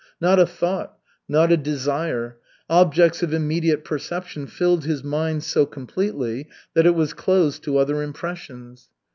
Not a thought, not a desire! Objects of immediate perception filled his mind so completely that it was closed to other impressions.